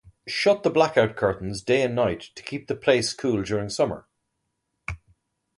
Shut the blackout curtains day and night to keep the place cool during summer.